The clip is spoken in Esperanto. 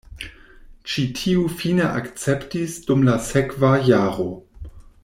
Ĉi tiu fine akceptis dum la sekva jaro.